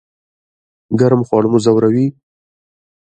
ګرم خواړه مو ځوروي؟